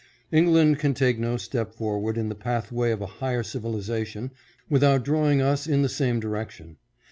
England can take no step forward in the pathway of a higher civilization without drawing us in the same direction.